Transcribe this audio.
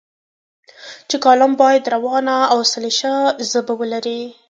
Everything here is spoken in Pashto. چې کالم باید روانه او سلیسه ژبه ولري.